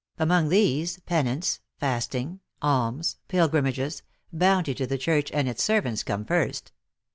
Among these, penance, fasting, alms, pilgrimages, bounty to the church and its servants, come first.